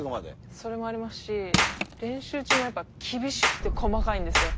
それもありますし、練習中も厳しくて細かいんですよ。